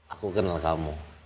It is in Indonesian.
aku kenal kamu